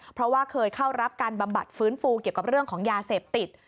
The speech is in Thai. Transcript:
เพราะว่าเคยเข้ารับการบำบัดฟื้นฟูเกี่ยวกับเรื่องของยาเสพติด